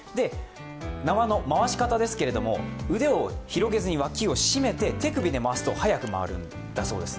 縄の回し方ですけれども、腕を広げずに脇を締めて手首で回すと、速く回るんだそうです。